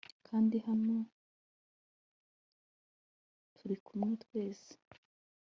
kandi hano turikumwe twese